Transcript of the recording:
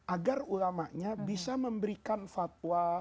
agar ulamanya bisa memberikan fatwa